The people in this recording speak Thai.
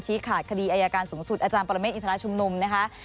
ชี้ขาดคดีอายการสูงสุดอปรเมฆอิทธาชุมนุมนะคะ